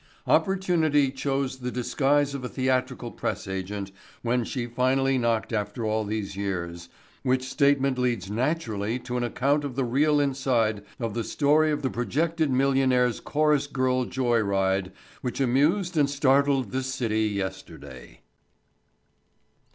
Opportunity chose the disguise of a theatrical press agent when she finally knocked after all these years—which statement leads naturally to an account of the real inside of the story of the projected millionaires' chorus girl joy ride party which amused and startled this city yesterday.